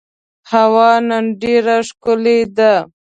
هوا نن ډېره ښکلې ده.